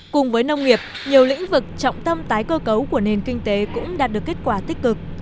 cùng với nông nghiệp nhiều lĩnh vực trọng tâm tái cơ cấu của nền kinh tế cũng đạt được kết quả tích cực